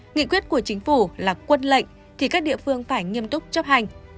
nghị quyết của chính phủ là quân lệnh thì các địa phương phải nghiêm túc chấp hành